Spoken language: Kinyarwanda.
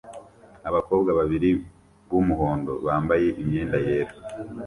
Abakobwa babiri b'umuhondo bambaye imyenda yera